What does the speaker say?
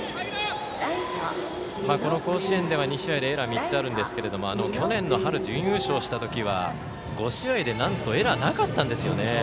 この甲子園では２試合でエラー３つあるんですが去年の春、準優勝したときは５試合でなんとエラーなかったんですよね。